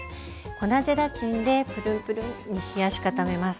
粉ゼラチンでプルンプルンに冷やし固めます。